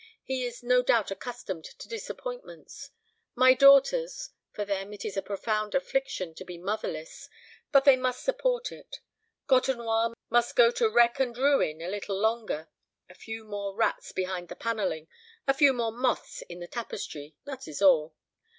He is no doubt accustomed to disappointments. My daughters for them it is a profound affliction to be motherless, but they must support it. Côtenoir must go to wreck and ruin a little longer a few more rats behind the panelling, a few more moths in the tapestry, that is all.